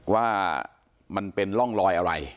ว่ามันเป็นร่องลอยอะไร